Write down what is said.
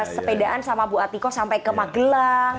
sepedaan sama bu atiko sampai ke magelang